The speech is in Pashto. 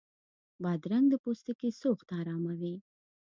بادرنګ د پوستکي سوخت اراموي.